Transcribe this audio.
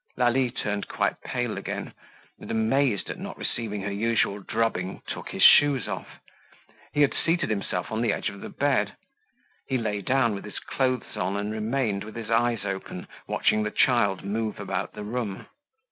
Lalie turned quite pale again and, amazed at not receiving her usual drubbing, took his shoes off. He had seated himself on the edge of the bed. He lay down with his clothes on and remained with his eyes open, watching the child move about the room.